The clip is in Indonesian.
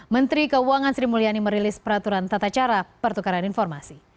menteri keuangan sri mulyani merilis peraturan tata cara pertukaran informasi